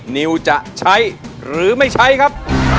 นิวจะใช้หรือไม่ใช้ครับ